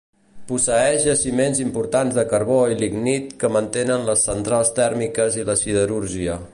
Posseeix jaciments importants de carbó i lignit que mantenen les centrals tèrmiques i la siderúrgia.